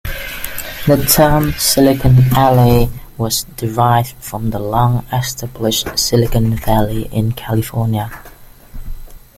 The term "Silicon Alley" was derived from the long established Silicon Valley in California.